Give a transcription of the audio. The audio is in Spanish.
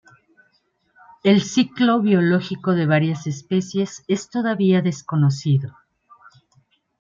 El ciclo biológico de varias especies es todavía desconocido.